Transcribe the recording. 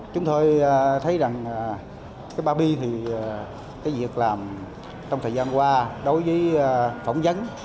chúng tôi thấy rằng papi thì cái việc làm trong thời gian qua đối với phỏng vấn